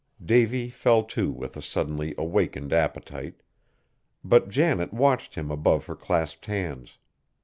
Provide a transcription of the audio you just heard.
Davy fell to with a suddenly awakened appetite, but Janet watched him above her clasped hands.